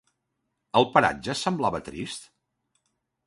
El paratge semblava trist?